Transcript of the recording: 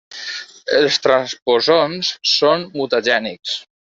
Els transposons són mutagènics.